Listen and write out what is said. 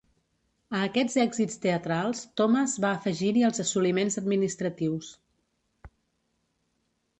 A aquests èxits teatrals, Thomas va afegir-hi els assoliments administratius.